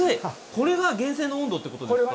これが源泉の温度ってことですか？